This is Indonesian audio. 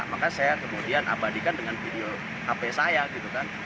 maka saya kemudian abadikan dengan video hp saya gitu kan